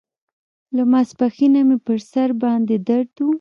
له ماسپښينه مې پر سر باندې درد و.